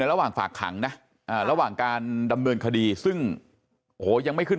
ระหว่างฝากขังนะระหว่างการดำเนินคดีซึ่งโอ้โหยังไม่ขึ้น